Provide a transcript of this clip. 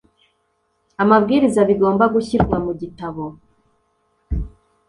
amabwiriza bigomba gushyirwa mu gitabo